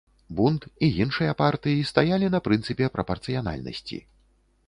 Бунд і іншыя партыі стаялі на прынцыпе прапарцыянальнасці.